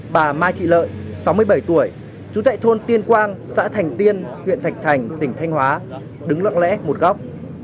bà ma thị lợi sáu mươi bảy tuổi trú tại thôn tiên quang xã thành tiên huyện thạch thành tỉnh thanh hóa đứng lặng lẽ một góc